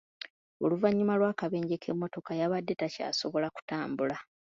Oluvannyuma lw'akabenje k'emmotoka yabadde takyasobola kutambula.